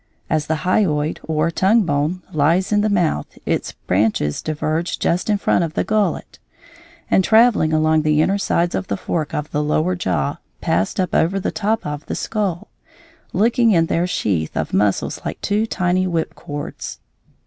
As the hyoid or tongue bone lies in the mouth its branches diverge just in front of the gullet, and, traveling along the inner sides of the fork of the lower jaw, pass up over the top of the skull, looking in their sheath of muscles like two tiny whipcords.